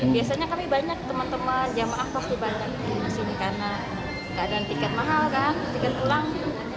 biasanya kami banyak teman teman yang maaf pasti banyak disini karena gak ada tiket mahal kan tiket pulang